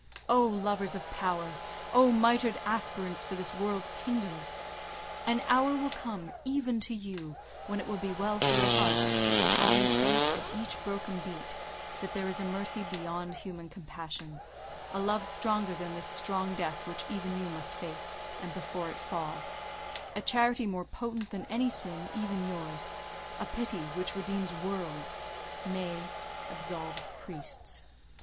Oh, lovers of power! Oh, mitred aspirants for this world's kingdoms! an hour will come, even to you, when it will be well for your hearts—pausing faint at each broken beat—that there is a Mercy beyond human compassions, a Love, stronger than this strong death which even you must face, and before it, fall; a Charity more potent than any sin, even yours; a Pity which redeems worlds—nay, absolves Priests.